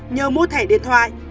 nhờ mô thẻ điện thoại